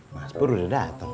mas pur udah datang